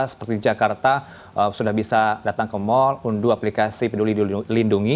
seperti jakarta sudah bisa datang ke mal unduh aplikasi peduli lindungi